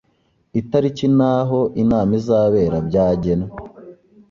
Itariki n’aho inama izabera byagenwe.